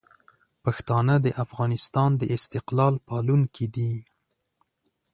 پښتانه د افغانستان د استقلال پالونکي دي.